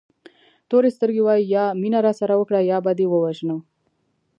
تورې سترګې وایي یا مینه راسره وکړه یا به دې ووژنو.